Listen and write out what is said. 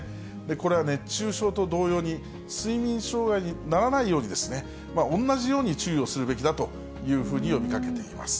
これは熱中症と同様に、睡眠障害にならないように、同じように注意をするべきだというふうに呼びかけています。